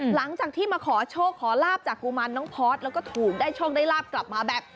หลังจากที่มาขอโชคขอลาบจากกุมารน้องพอร์ตแล้วก็ถูกได้โชคได้ลาบกลับมาแบบ